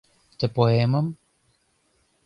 Ты поэмым